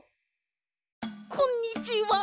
こんにちは。